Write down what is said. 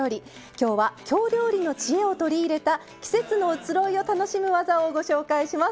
きょうは京料理の知恵を取り入れた季節の移ろいを楽しむ技をご紹介します。